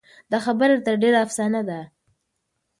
دا خبره تر ډېره افسانه ده.